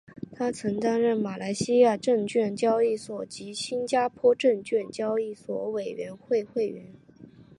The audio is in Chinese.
他曾任马来西亚证券交易所及新加坡证券交易所委员会会员。